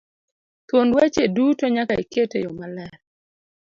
thuond weche duto nyaka iket eyo maler